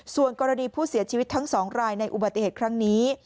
ส่วนกรณีผู้เสียชีวิตทั้ง๒รายในอุบัติเหตุครั้งนี้